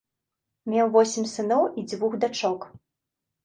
Меў восем сыноў і дзвюх дачок.